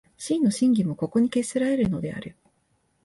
思惟の真偽もここに決せられるのである。